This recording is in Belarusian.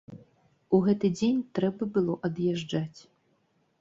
У гэты дзень трэба было ад'язджаць.